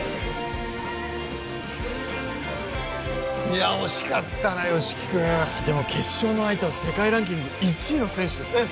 いや惜しかったな吉木君でも決勝の相手は世界ランキング１位の選手ですよね？